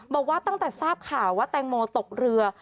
บอกว่าตั้งแต่ทราบข่าวว่าแตงโมตกเรือ